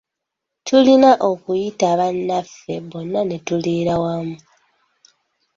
Tulina okuyita bannaffe bonna ne tuliira wamu.